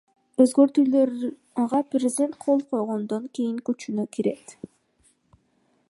Өзгөртүүлөр ага президент кол койгондон кийин күчүнө кирет.